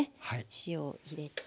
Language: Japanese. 塩を入れて。